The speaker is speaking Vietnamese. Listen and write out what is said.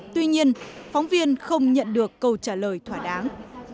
tuy nhiên phóng viên không nhận được câu trả lời thỏa đáng